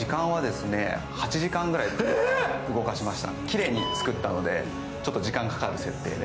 きれいに作ったので、ちょっと時間がかかる設定で。